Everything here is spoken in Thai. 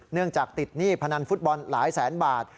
เนื่องจากติดหนี้พนันฟุตบอลหลายแสนบาท